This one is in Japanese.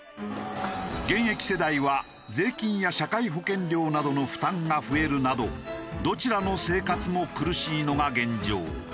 現役世代は税金や社会保険料などの負担が増えるなどどちらの生活も苦しいのが現状。